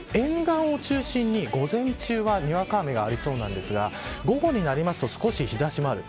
沿岸を中心に午前中はにわか雨がありそうなんですが午後になると少し日差しもある。